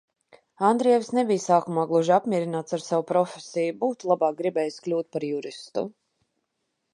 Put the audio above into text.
Andrievs nebija sākumā gluži apmierināts ar savu profesiju, būtu labāk gribējis kļūt par juristu.